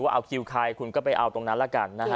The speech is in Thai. เอาคิวใครคุณก็ไปเอาตรงนั้นละกันนะฮะ